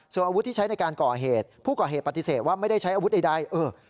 ส่วนอาวุธที่ใช้ในการก่อเหตุผู้ก่อเหตุปฏิเสธว่าไม่ได้ใช้อาวุธใดเออ